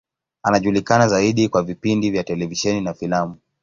Anajulikana zaidi kwa vipindi vya televisheni na filamu.